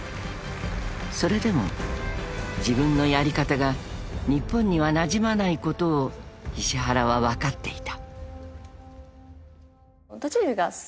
［それでも自分のやり方が日本にはなじまないことを石原は分かっていた］